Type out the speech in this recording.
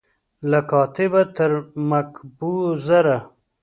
له کاتبه تر کمپوزره